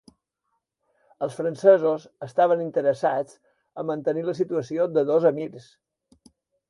Els francesos estaven interessats a mantenir la situació de dos emirs.